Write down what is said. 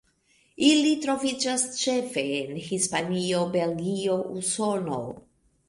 Ili troviĝas ĉefe en Hispanio, Belgio, Usono.